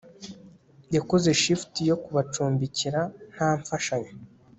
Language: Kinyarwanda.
Yakoze shift yo kubacumbikira nta mfashanyo